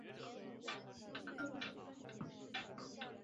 卡拉韦拉什是葡萄牙布拉干萨区的一个堂区。